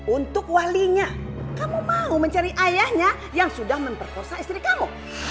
untuk walinya kamu mau mencari ayahnya yang sudah memperkosa istri kamu